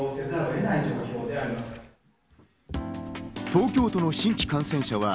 東京都の新規感染者は